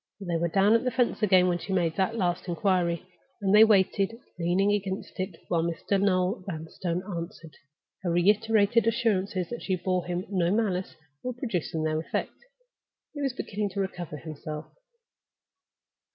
They were down at the fence again as she made that last inquiry, and they waited, leaning against it, while Noel Vanstone answered. Her reiterated assurances that she bore him no malice were producing their effect; he was beginning to recover himself.